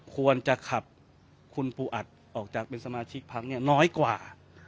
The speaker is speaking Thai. ควรจะขับคุณปูอัดออกจากเป็นสมาชิกพักน้อยกว่า